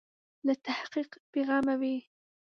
له تحقیق بې غمه وي.